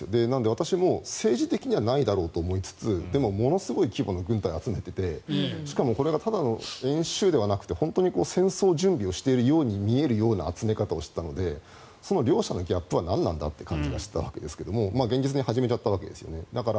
なので私も政治的にはないだろうと思いつつでも、ものすごい規模の軍隊を集めていてこれがただの演習ではなくて本当に戦争準備をしているように見えるような集め方をしていたのでその両者のギャップはなんなんだと感じていたんですが現実に始めちゃったわけですよね。